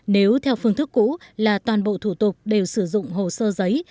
nếu theo phương thức cũ là toàn bộ thủ tục đều sử dụng hồ sơ giấy